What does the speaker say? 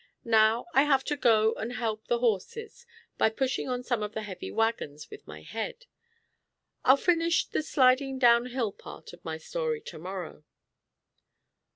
"Now I have to go and help the horses, by pushing on some of the heavy wagons with my head. I'll finish the sliding down hill part of my story tomorrow."